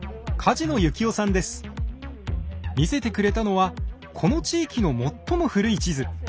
見せてくれたのはこの地域の最も古い地図。